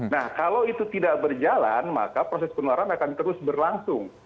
nah kalau itu tidak berjalan maka proses penularan akan terus berlangsung